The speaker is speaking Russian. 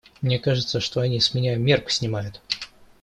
Мне кажется, что они с меня мерку снимают.